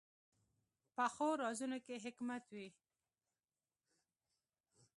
پخو رازونو کې حکمت وي